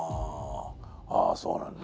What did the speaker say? ああそうなんだ。